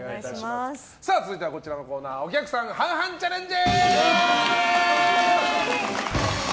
続いてはこちらのコーナーお客さん半々チャレンジ！